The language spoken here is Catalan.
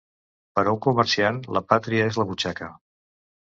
Per a un comerciant, la pàtria és la butxaca.